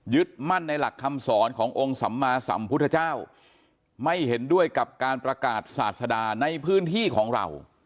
มั่นในหลักคำสอนขององค์สัมมาสัมพุทธเจ้าไม่เห็นด้วยกับการประกาศศาสดาในพื้นที่ของเรา